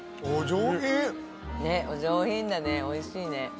お上品だねおいしいね。